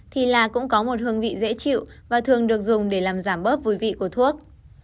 thì là cũng có một hương vị dễ chịu và thường được dùng để làm giảm bớt vùi vị của thuốc